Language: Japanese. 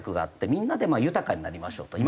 みんなで豊かになりましょうと。